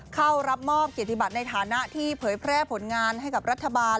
เข้ารับมอบเกียรติบัติในฐานะที่เผยแพร่ผลงานให้กับรัฐบาล